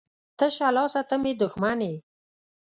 تشه لاسه ته مي دښمن يي.